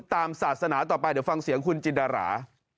ตามศาสนาต่อไปเดี๋ยวฟังเสียงคุณจินดารา